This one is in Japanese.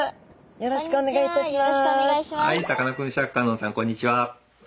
よろしくお願いします。